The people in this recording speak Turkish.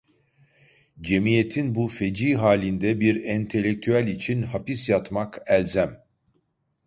Cemiyetin bu feci halinde bir entelektüel için hapis yatmak elzem.